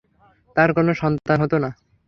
তার কোন সন্তান হত না।